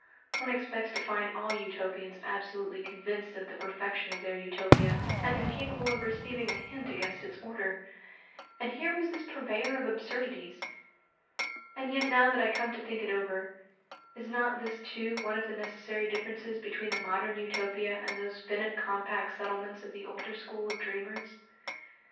One expects to find all Utopians absolutely convinced of the perfection of their Utopia, and incapable of receiving a hint against its order. And here was this purveyor of absurdities! And yet now that I come to think it over, is not this too one of the necessary differences between a Modern Utopia and those finite compact settlements of the older school of dreamers?